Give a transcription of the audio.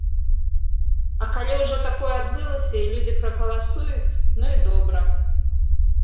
А калі ўжо такое адбылася і людзі прагаласуюць, ну і добра!